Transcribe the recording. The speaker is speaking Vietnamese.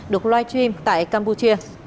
được live stream tại campuchia